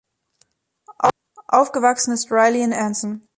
Aufgewachsen ist Riley in Anson.